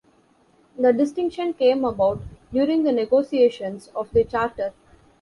The distinction came about during the negotiations of the "Charter".